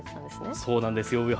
そうなんですよ。